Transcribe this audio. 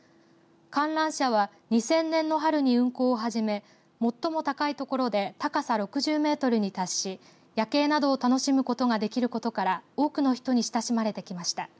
観覧車は２０００年の春に運行を始め最も高い所で高さ６０メートルに達し夜景などを楽しむことができることから多くの人に親しまれてきました。